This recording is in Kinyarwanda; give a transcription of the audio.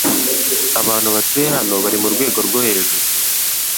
Abantu batuye hano bari murwego rwo hejuru.